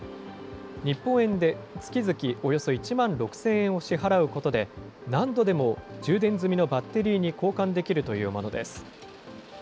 日本円で月々およそ１万６０００円を支払うことで、何度でも充電済みのバッテリーに交換できるというものです。